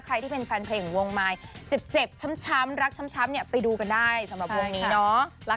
ใครที่เป็นแฟนเพลงวงไม้เจ็บเจ็บช้ำช้ำรักช้ำช้ำเนี้ยไปดูกันได้สำหรับวงนี้เนอะ